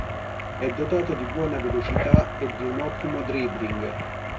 È dotato di buona velocità e di un ottimo dribbling.